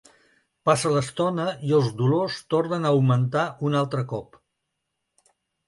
Passa l’estona i els dolors tornen a augmentar un altre cop.